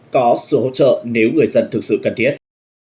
có sự hỗ trợ nếu người dân thực sự cần thiết